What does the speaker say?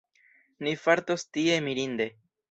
Ni fartos tie mirinde.